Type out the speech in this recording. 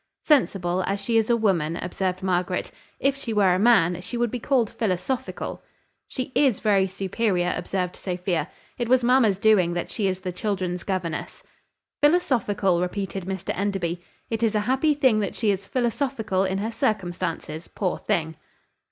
"Sensible, as she is a woman," observed Margaret; "if she were a man, she would be called philosophical." "She is very superior," observed Sophia. "It was mamma's doing that she is the children's governess." "Philosophical!" repeated Mr Enderby. "It is a happy thing that she is philosophical in her circumstances, poor thing!"